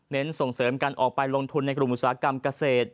ส่งเสริมการออกไปลงทุนในกลุ่มอุตสาหกรรมเกษตร